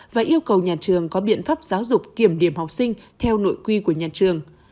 và yêu cầu nhà trường có biện pháp giáo dục kiểm điểm học sinh theo nội quy của nhà trường